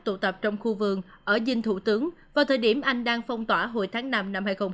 tụ tập trong khu vườn ở dinh thủ tướng vào thời điểm anh đang phong tỏa hồi tháng năm năm hai nghìn một mươi chín